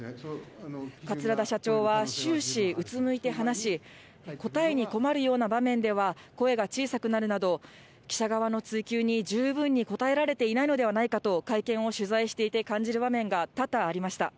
桂田社長は終始、うつむいて話し、答えに困るような場面では、声が小さくなるなど、記者側の追及に十分に答えられていないのではないかと、会見を取材していて、感じる場面が多々ありました。